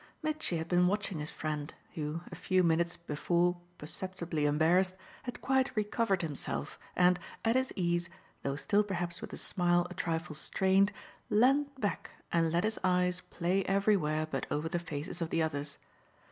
Mitchy had been watching his friend, who, a few minutes before perceptibly embarrassed, had quite recovered himself and, at his ease, though still perhaps with a smile a trifle strained, leaned back and let his eyes play everywhere but over the faces of the others.